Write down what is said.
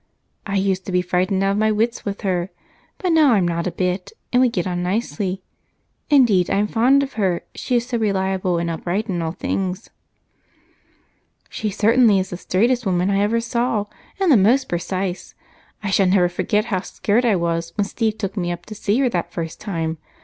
I used to be frightened out of my wits with her, but now I'm not a bit, and we get on nicely. Indeed, I'm fond of her, she is so reliable and upright in all things." "She certainly is the straightest woman I ever saw, and the most precise. I never shall forget how scared I was when Steve took me up to see her that first time.